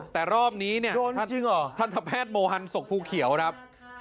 แต่รอบนี้เนี่ยทันทแพทย์โมฮันศกภูเขียวครับ